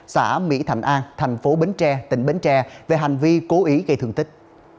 xã mỹ thành an thành phố bến tre tỉnh bến tre về hành vi cố ý gây thương tích